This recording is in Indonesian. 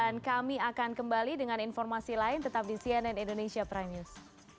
dan kami akan kembali dengan informasi lain tetap di cnn indonesia prime news